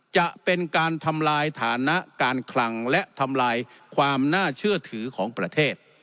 จะเป็นการทำลายฐานะการคลังและทำลายความน่าเชื่อถือของประเทศ